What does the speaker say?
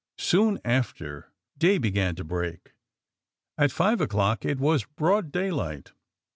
Soon after day began to break. At five o'clock it was broad daylight.